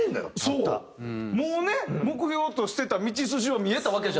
もうね目標としてた道筋は見えたわけじゃないですか